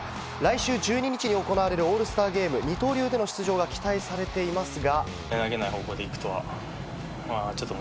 来週１２日に行われるオールスターゲーム、二刀流での出場が期待されていますが。